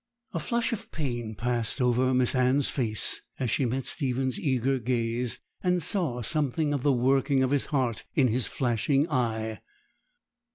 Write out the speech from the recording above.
A flush of pain passed over Miss Anne's face as she met Stephen's eager gaze, and saw something of the working of his heart in his flashing eye.